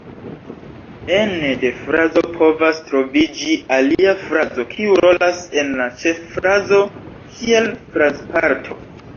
Ene de frazo povas troviĝi alia frazo, kiu rolas en la ĉeffrazo kiel frazparto.